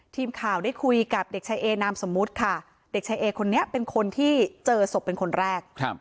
ทีมข่าวได้คุยกับเด็กชายเอนามสมมุติค่ะเด็กชายเอคนนี้เป็นคนที่เจอศพเป็นคนแรก